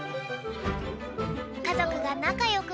かぞくがなかよくなれる